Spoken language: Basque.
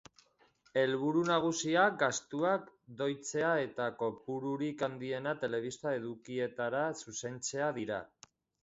Helburu nagusiak gastuak doitzea eta kopururik handiena telebista edukietara zuzentzea dira.